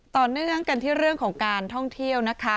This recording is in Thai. ต่อเนื่องกันที่เรื่องของการท่องเที่ยวนะคะ